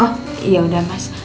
oh yaudah mas